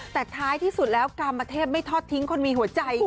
แต่ท้ายที่สุดแล้วกรรมเทพไม่ทอดทิ้งคนมีหัวใจ